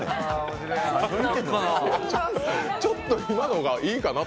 ちょっと今の方がいいかなと。